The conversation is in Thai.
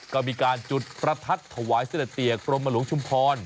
ก็มีการจุดประทัดถวายเสด็จเตียกรมหลวงชุมพร